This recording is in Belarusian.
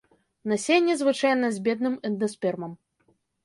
Насенне звычайна з бедным эндаспермам.